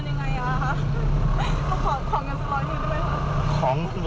ของแรงสองร้อยนึงด้วย